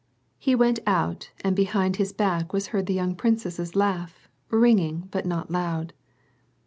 He went out and behind his back was heard the young princess's laugh, ringing but not loud.